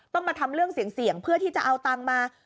ต้องมาทำเรื่องเสี่ยงเพื่อที่จะเอาตังค์มา